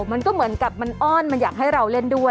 มันก็เหมือนกับมันอ้อนมันอยากให้เราเล่นด้วย